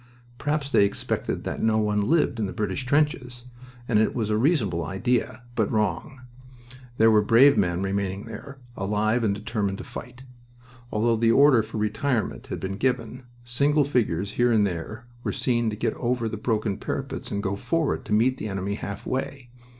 Perhaps they expected that no one lived in the British trenches, and it was a reasonable idea, but wrong. There were brave men remaining there, alive and determined to fight. Although the order for retirement had been given, single figures here and there were seen to get over the broken parapets and go forward to meet the enemy halfway.